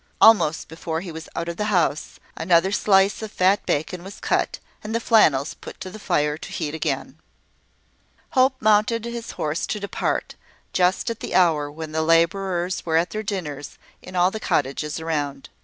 Almost before he was out of the house, another slice of fat bacon was cut, and the flannels put to the fire to heat again. Hope mounted his horse to depart, just at the hour when the labourers were at their dinners in all the cottages around.